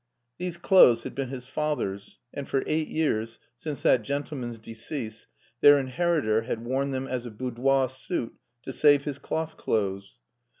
These clothes had been his father's, and for eight years, since that gentleman's decease, their inheritor had worn them as a boudoir suit to save his cloth clothes.